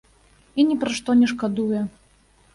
І ні пра што не шкадуе.